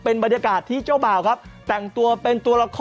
โอ้โฮ